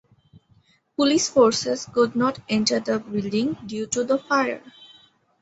Police forces could not enter the building due to the fire.